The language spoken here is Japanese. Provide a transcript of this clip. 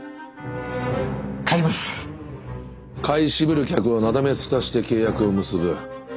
買い渋る客をなだめすかして契約を結ぶ。